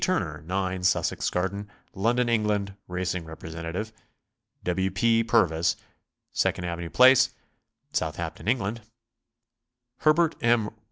Turner, 9 Sussex Garden, London, Eng., Racing Representative. W. P. Purvis, 2 Avenue Place, Southampton, England. Herbert M.